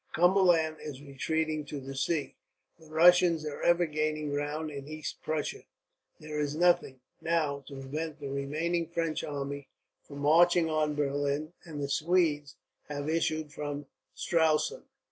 Cumberland is retreating to the sea; the Russians are ever gaining ground in East Prussia; there is nothing, now, to prevent the remaining French army from marching on Berlin; and the Swedes have issued from Stralsund.